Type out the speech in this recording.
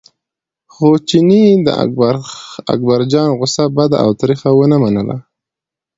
خو چیني د اکبرجان غوسه بده او تریخه ونه منله.